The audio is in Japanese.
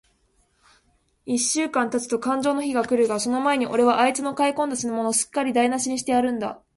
一週間たつとかんじょうの日が来るが、その前に、おれはあいつの買い込んだ品物を、すっかりだいなしにしてやるんだ。